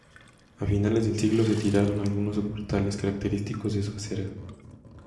A finales del siglo se tiraron algunos soportales característicos de su acera.